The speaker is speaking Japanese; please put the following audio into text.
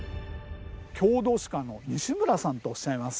郷土史家の西村さんとおっしゃいます。